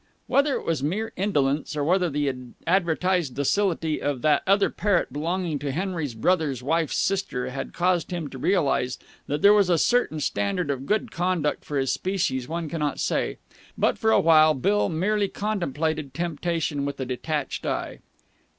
Whether it was mere indolence or whether the advertised docility of that other parrot belonging to Henry's brother's wife's sister had caused him to realize that there was a certain standard of good conduct for his species one cannot say; but for a while Bill merely contemplated temptation with a detached eye.